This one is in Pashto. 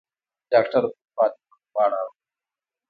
ډاکتر بلې خوا ته مخ واړاوه.